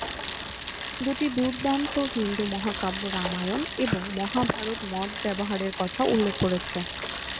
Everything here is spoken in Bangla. দুটি দুর্দান্ত হিন্দু মহাকাব্য রামায়ণ এবং মহাভারত মদ ব্যবহারের কথা উল্লেখ করেছে।